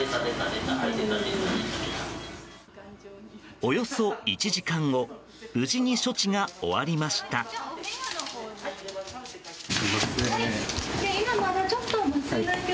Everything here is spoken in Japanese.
およそ１時間後無事に処置が終わりました。